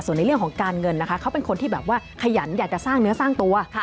ส่วนในเรื่องของการเงินนะคะเขาเป็นคนที่แบบว่าขยันอยากจะสร้างเนื้อสร้างตัว